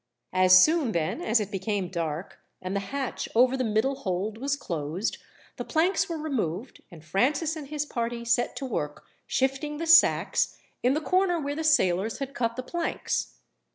As soon, then, as it became dark, and the hatch over the middle hold was closed; the planks were removed, and Francis and his party set to work shifting the sacks, in the corner where the sailors had cut the planks.